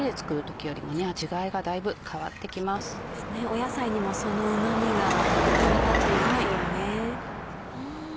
野菜にもそのうま味が行き渡っていますよね。